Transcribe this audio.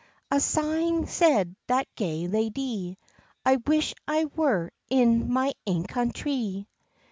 An sighing said that gay lady, "I wish I were in my ain country!"